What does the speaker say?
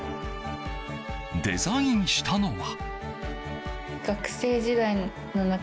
デザインしたのは。